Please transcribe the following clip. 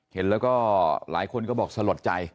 เห็นแล้วก็หลายคนก็บอกสลดใจ